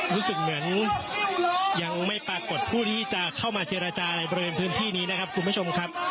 รู้สึกเหมือนยังไม่ปรากฏผู้ที่จะเข้ามาเจรจาในบริเวณพื้นที่นี้นะครับคุณผู้ชมครับ